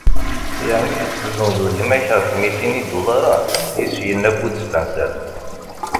Yeɛni ad tezzenzeḍ gma-k ɣef mitin idularen? i s-yenna Bud Spencer.